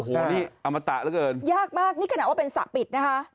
โอ้โหนี่อมตะเหลือเกินยากมากนี่ขนาดว่าเป็นสระปิดนะคะ